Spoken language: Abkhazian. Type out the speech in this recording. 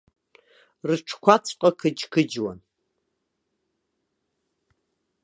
Рыҽқәаҵәҟьа қыџьқыџьуан.